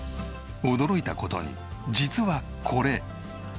驚いた事に実はこれ。